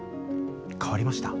変わりました？